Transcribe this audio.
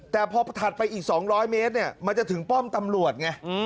แต่พอถัดไปอีก๒๐๐เมตรมันจะถึงป้อมตำรวจไง